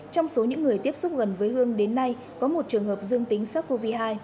trong số những người tiếp xúc gần với hơn đến nay có một trường hợp dương tính sars cov hai